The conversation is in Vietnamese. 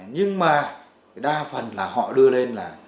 nhưng mà đa phần là họ đưa lên